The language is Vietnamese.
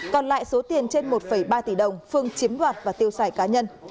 còn lại số tiền trên một ba tỷ đồng phương chiếm đoạt và tiêu xài cá nhân